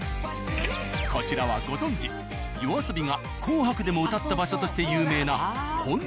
こちらはご存じＹＯＡＳＯＢＩが「紅白」でも歌った場所として有名な本棚劇場。